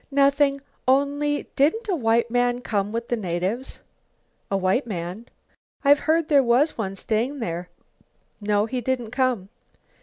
"Nothing; only didn't a white man come with the natives?" "A white man?" "I've heard there was one staying there." "No, he didn't come."